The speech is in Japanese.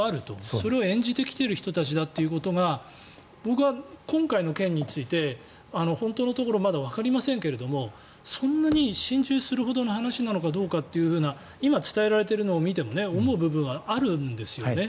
それを演じてきている人たちだということが僕は今回の件について本当のところまだわかりませんがそんなに心中するほどの話なのかどうか今、伝えられているのを見ても思う部分はあるんですよね。